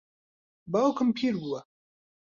باوکم پیر بووە.